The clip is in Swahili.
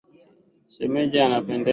Shemeji anapendeza.